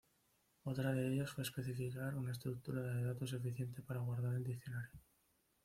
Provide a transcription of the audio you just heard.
Otra de ellas fue especificar una estructura de datos eficiente para guardar el diccionario.